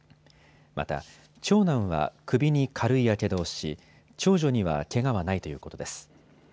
また、長男は首に軽いやけどをし長女にはけがはないということです。